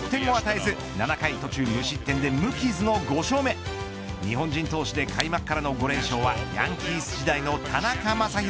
菊池はその後も得点を与えず７回途中無失点で無傷の５勝目日本人投手で開幕からの５連勝はヤンキース時代の田中将大